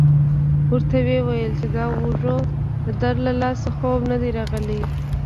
ورته ویې ویل چې د اوږو د درد له لاسه خوب نه دی راغلی.